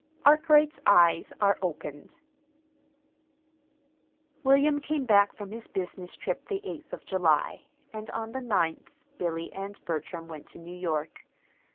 ARKWRIGHT'S EYES ARE OPENED William came back from his business trip the eighth of July, and on the ninth Billy and Bertram went to New York.